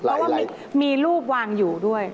เพราะว่ามีรูปวางอยู่ด้วย